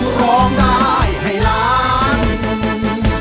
ร้องได้ให้ล้าน